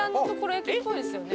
駅っぽいですよね。